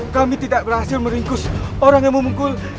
kami tidak berhasil meringkus orang yang memungkul dunwira juragan